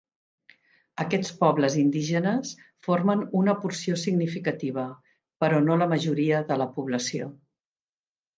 Aquests pobles indígenes formen una porció significativa, però no la majoria, de la població.